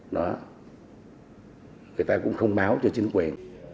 người ta cũng không báo cho chính quyền